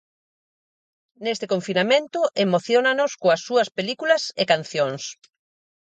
Neste confinamento emociónanos coas súas películas e cancións.